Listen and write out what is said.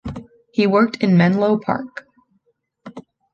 He worked in Menlo Park.